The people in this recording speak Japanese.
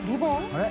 あれ？